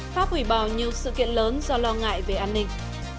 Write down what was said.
pháp hủy bỏ nhiều sự kiện lớn do lo ngại về an ninh